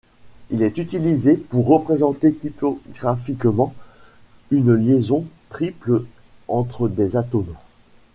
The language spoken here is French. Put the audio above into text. Il est utilisé pour représenter typographiquement une liaison triple entre des atomes.